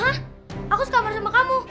hah aku sekamar sama kamu